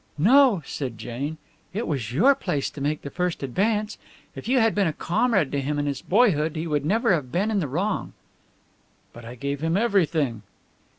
"No," said Jane, "it was your place to make the first advance. If you had been a comrade to him in his boyhood he would never have been in the wrong." "But I gave him everything!"